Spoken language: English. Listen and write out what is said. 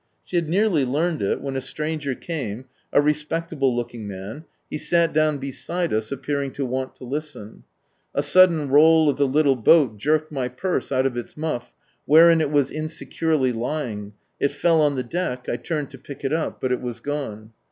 She had nearly learned it, when a stranger came, a respectable looking man, he sat down beside us, appearing to want to listen. A sudden roll of the little boat jerked my purse out of my muff, wherein it was in securely lying, it fell on the deck, I turned to pick it up, but it was gone.